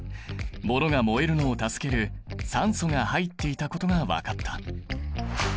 ものが燃えるのを助ける酸素が入っていたことが分かった。